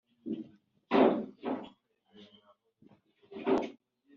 mu nkambi ya mugombwa imiryango ihari irashonje